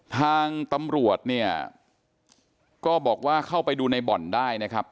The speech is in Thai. ทางตำรวจเนี่ยก็บอกว่าเข้าไปดูในบ่อนได้นะครับ